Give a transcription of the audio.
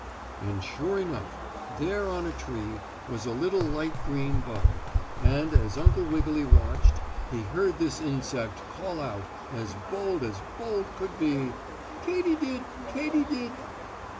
And, sure enough, there on a tree was a little light green bug, and, as Uncle Wiggily watched, he heard this insect call out as bold as bold could be: "Katy did! Katy did!"